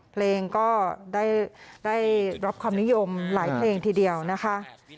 เพลงก็ได้รับความนิยมหลายเพลงทีเดียวนะคะ